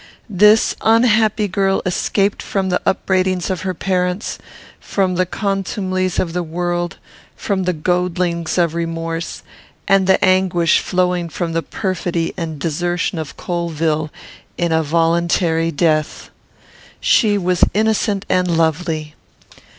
This unhappy girl escaped from the upbraidings of her parents, from the contumelies of the world, from the goadings of remorse, and the anguish flowing from the perfidy and desertion of Colvill, in a voluntary death. She was innocent and lovely.